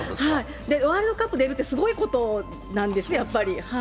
ワールドカップ出るってすごいことなんです、やっぱり。